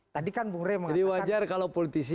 jadi kan bung rey mengatakan jadi wajar kalau politisi